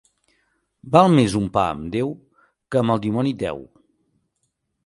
Val més un pa amb Déu que amb el dimoni deu.